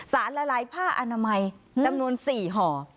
สารละลายผ้าอนามัยดำนวนสี่ห่อ